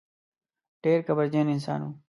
ډېر کبرجن انسان و.